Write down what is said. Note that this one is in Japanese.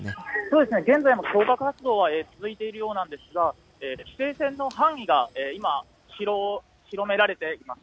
そうですね、現在も消火活動が続いているようなんですが規制線の範囲が、今広められています。